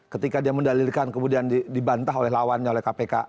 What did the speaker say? ketika dia mendalilkan kemudian dibantah oleh lawannya oleh kpk